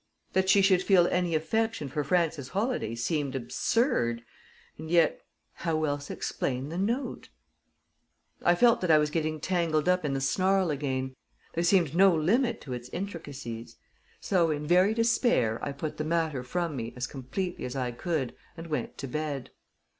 That she should feel any affection for Frances Holladay seemed absurd, and yet, how else explain the note? I felt that I was getting tangled up in the snarl again there seemed no limit to its intricacies; so, in very despair, I put the matter from me as completely as I could and went to bed.